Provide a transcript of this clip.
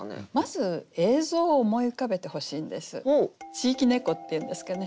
地域猫っていうんですかね